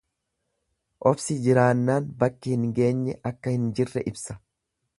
Obsi jiraannaan bakki hin geenye akka hin jirre ibsa.